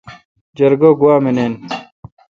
جرگہ گوا منین۔